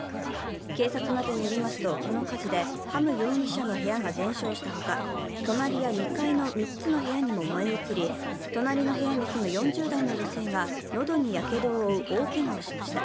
警察などによりますと、この火事でハム容疑者の部屋が全焼したほか隣や２階の３つの部屋にも燃え移り隣の部屋に住む４０代の女性が喉にやけどを負う大けがをしました。